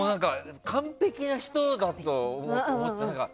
完璧な人だと思ってたから。